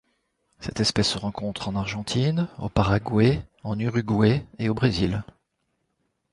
Cette espèce se rencontre en Argentine, au Paraguay, en Uruguay et au Brésil.